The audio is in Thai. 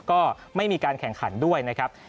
ก็ไม่มีการแข่งขันด้วยนะครับ